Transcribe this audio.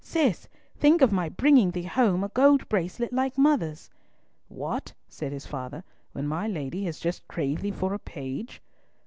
"Cis, think of my bringing thee home a gold bracelet like mother's." "What," said his father, "when my Lady has just craved thee for a page."